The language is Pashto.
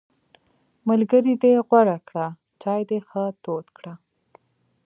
ملګری دې غوره کړه، چای دې ښه تود کړه!